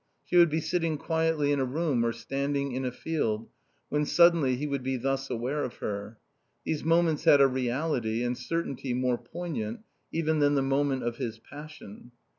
She would be sitting quietly in a room or standing in a field when suddenly he would be thus aware of her. These moments had a reality and certainty more poignant even than the moment of his passion.